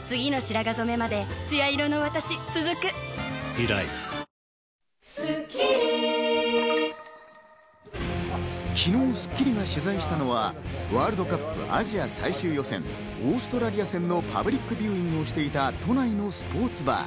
閉店に向け片付けが進む中、昨日『スッキリ』が取材したのはワールドカップアジア最終予選、オーストラリア戦のパブリックビューイングをしていた都内のスポーツバー。